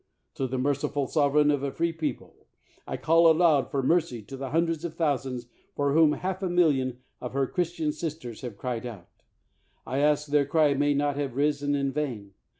To the merci ful sovereign of a free people, I call aloud for mercy to the hundreds of thousands for whom half a million of her Christian sisters have cried out; I ask their cry may not have risen in vain.